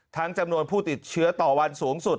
จำนวนผู้ติดเชื้อต่อวันสูงสุด